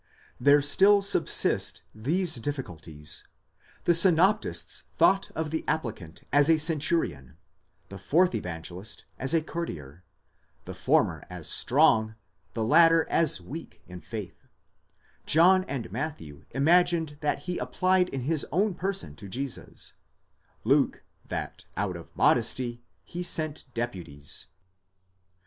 There still subsist these difficulties: the synoptists thought of the applicant as a centurion, the fourth Evangelist as a courtier ; the former as strong, the latter as weak in faith ; John and Matthew imagined that he applied in his own person to Jesus; Luke, that out of modesty he sent deputies.